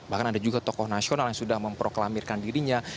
bahkan ada juga tokoh nasional yang sudah memproklamirkan dirinya